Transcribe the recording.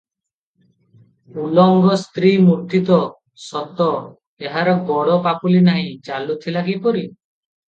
ଉଲଙ୍ଗ ସ୍ତ୍ରୀ ମୂର୍ତ୍ତି ତ, ସତ, ଏହାର ଗୋଡ଼ ପାପୁଲି ନାହିଁ, ଚାଲୁଥିଲା କିପରି?